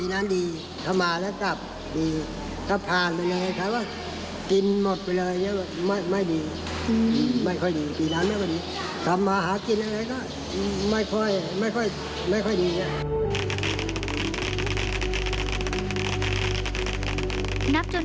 นับจนถึงประหลาด